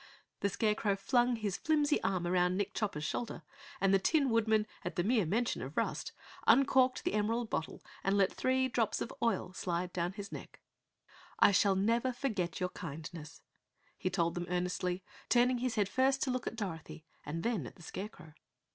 The Scarecrow flung his flimsy arm around Nick Chopper's shoulder and the Tin Woodman, at the mere mention of rust, uncorked the emerald bottle and let three drops of oil slide down his neck. "I never shall forget your kindness," he told them earnestly, turning his head first to look at Dorothy and then at the Scarecrow.